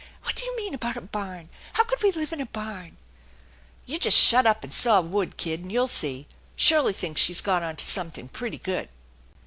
" What do you mean about a barn ? How could we live in a barn ?" "You just shut up and saw wood, kid, and you'll see. Shirley thinks she's got onto something pretty good."